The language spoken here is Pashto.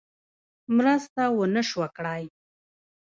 مرسته ونه سوه کړای.